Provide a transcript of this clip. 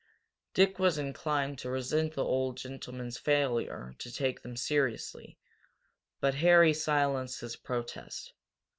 Dick was inclined to resent the old gentleman's failure to take them seriously, but Harry silenced his protest.